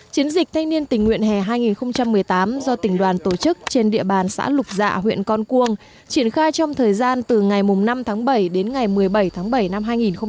chiến dịch thanh niên tình nguyện hè hai nghìn một mươi tám do tỉnh đoàn tổ chức trên địa bàn xã lục dạ huyện con cuông triển khai trong thời gian từ ngày năm tháng bảy đến ngày một mươi bảy tháng bảy năm hai nghìn một mươi chín